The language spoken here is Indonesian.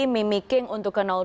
mimicking untuk ke dua